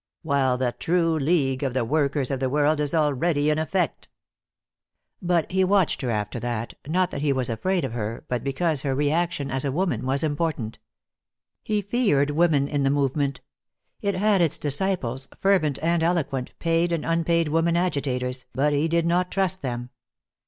"While the true league, of the workers of the world, is already in effect!" But he watched her after that, not that he was afraid of her, but because her re action as a woman was important. He feared women in the movement. It had its disciples, fervent and eloquent, paid and unpaid women agitators, but he did not trust them.